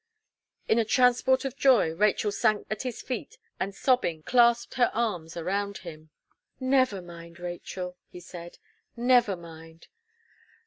In a transport of joy, Rachel sank at his feet and sobbing clasped her arms around him. "Never mind, Rachel," he said, "never mind."